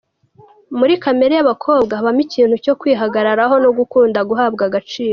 Muri kamere y’abakobwa habamo ikintu cyo kwihagararaho no gukunda guhabwa agaciro.